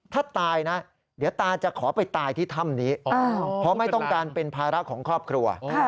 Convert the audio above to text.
ถ้าตายนะเดี๋ยวตาจะขอไปตายที่ถ้ำนี้เพราะไม่ต้องการเป็นภาระของครอบครัว